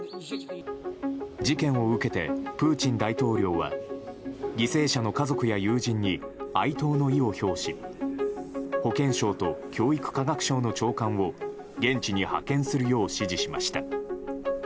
事件を受けて、プーチン大統領は犠牲者の家族や友人に哀悼の意を表し保健省と教育科学省の長官を現地に派遣するよう指示しました。